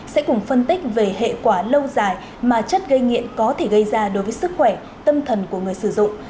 sẽ cùng phân tích về hệ quả lâu dài mà chất gây nghiện có thể gây ra đối với sức khỏe tâm thần của người sử dụng